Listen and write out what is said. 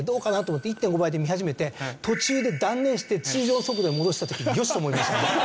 １．５倍で見始めて途中で断念して通常速度に戻した時に「よし！」と思いましたね。